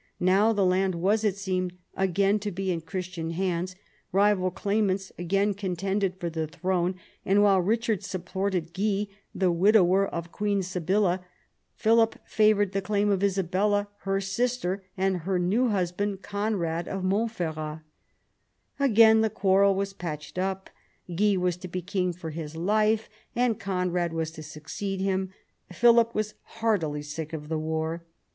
Now the land was, it seemed, again to be in Christian hands, rival claimants again contended for the throne, and while Eichard supported Guy, the widower of Queen Sibylla, Philip favoured the claim of Isabella, her sister, and her new husband, Conrad of Montferrat. Again the quarrel was patched up. Guy was to be king for his life, and Conrad was to succeed him. Philip was heartily sick of the war.